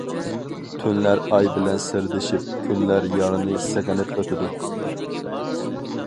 تۈنلەر ئاي بىلەن سىردىشىپ، كۈنلەر يارنى سېغىنىپ ئۆتىدۇ.